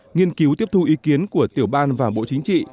nghiên cứu tiếp thu ý kiến của tiểu ban và bộ chính trị